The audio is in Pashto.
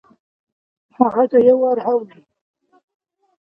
هغه که یو وار هم وي !